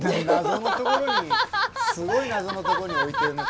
すごい謎のとこに置いてるね